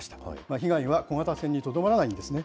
被害は小型船にとどまらないんですね。